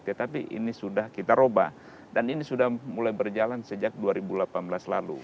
tetapi ini sudah kita ubah dan ini sudah mulai berjalan sejak dua ribu delapan belas lalu